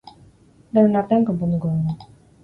Denon artean konponduko dugu.